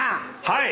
はい。